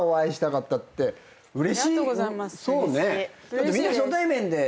だってみんな初対面で。